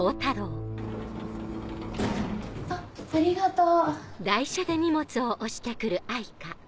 あっありがとう。